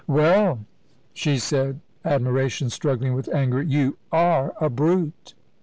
"Well," she said, admiration struggling with anger, "you are a brute!"